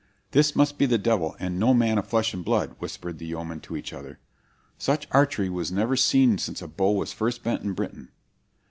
'This must be the devil, and no man of flesh and blood,' whispered the yeomen to each other; 'such archery was never seen since a bow was first bent in Britain.'